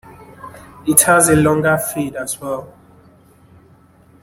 It has a longer fade as well.